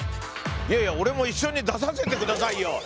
いやいや俺も一緒に出させてくださいよ。